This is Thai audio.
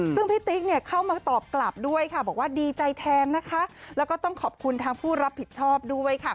ซึ่งพี่ติ๊กเนี่ยเข้ามาตอบกลับด้วยค่ะบอกว่าดีใจแทนนะคะแล้วก็ต้องขอบคุณทางผู้รับผิดชอบด้วยค่ะ